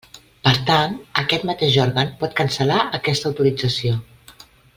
Per tant, aquest mateix òrgan pot cancel·lar aquesta autorització.